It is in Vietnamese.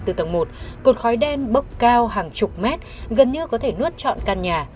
từ tầng một cột khói đen bốc cao hàng chục mét gần như có thể nuốt chọn căn nhà